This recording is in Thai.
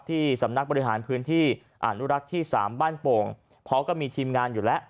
ที่สำนักบริหารพื้นที่อนุรักษ์ที่๓บ้านโป่งเพราะก็มีทีมงานอยู่แล้ว